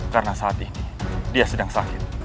karena saat ini dia sedang sakit